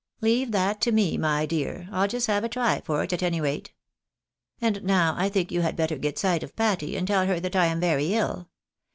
" Leave that to me, my dear, I'll just have a try for it, at any rate. And now I thinls; you had better get sight of Patty, and tell her that I am very ill.